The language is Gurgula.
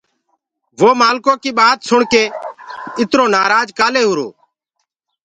وو مآلکو ڪي ٻآت سُڻ ڪي اِتر نآرآج ڪآلي هوُرو۔